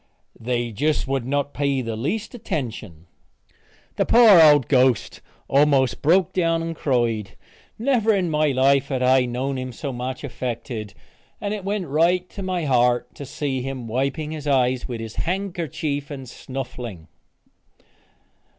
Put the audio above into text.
They just would not pay the least attention." The poor old ghost almost broke down and cried. Never in life had I known him so much affected, and it went right to my heart to see him wiping his eyes with his handkercher and snuffling.